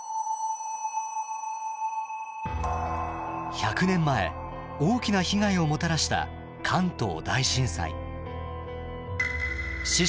１００年前大きな被害をもたらした関東大震災。